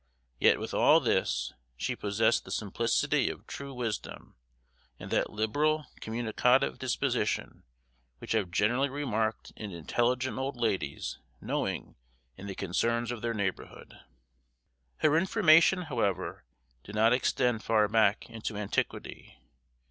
Yet, with all this, she possessed the simplicity of true wisdom, and that liberal communicative disposition which I have generally remarked in intelligent old ladies knowing in the concerns of their neighborhood. Her information, however, did not extend far back into antiquity.